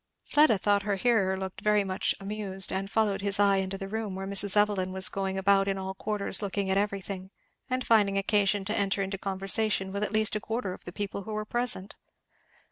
Fleda thought her hearer looked very much amused, and followed his eye into the room, where Mrs. Evelyn was going about in all quarters looking at everything, and finding occasion to enter into conversation with at least a quarter of the people who were present.